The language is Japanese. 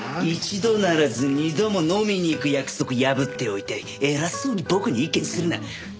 一度ならず二度も飲みに行く約束破っておいて偉そうに僕に意見するな。